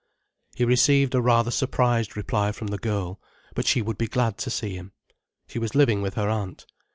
He received a rather surprised reply from the girl, but she would be glad to see him. She was living with her aunt.